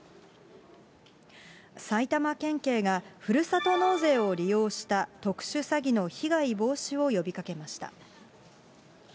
埼玉県警がふるさと納税を利用した特殊詐欺の被害防止を呼びかけました。